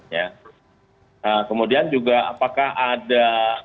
nah kemudian juga apakah ada